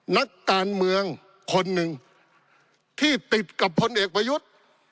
นักการเมืองคนหนึ่งที่ติดกับพลเอกประยุทธ์